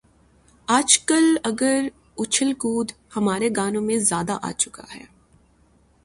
آج کل اگر اچھل کود ہمارے گانوں میں زیادہ آ چکا ہے۔